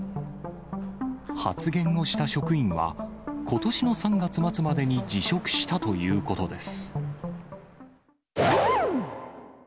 発言をした職員は、ことしの３月末までに辞職したということです。